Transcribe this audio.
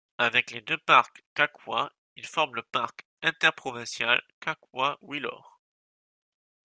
Avec les deux parcs Kakwa, il forme le parc interprovincial Kakwa-Willmore.